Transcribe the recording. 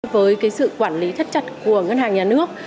với cái sự quản lý thất chặt của ngân hàng nhà nước